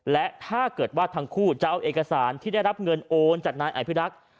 และถ้าเกิดว่าทั้งคู่จะเอาเอกสารที่ได้รับเงินโอนจากนายอภิรักษ์